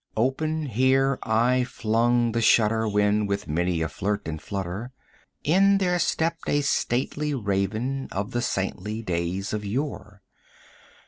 Open here I flung the shutter, when, with many a flirt and flutter, In there stepped a stately Raven of the saintly days of yore.